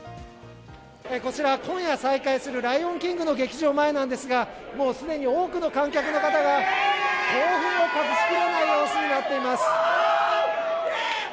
こちら今夜再開する『ライオンキング』の劇場前なんですが、もうすでに多くの観客の方が興奮を隠しきれない様子となっています。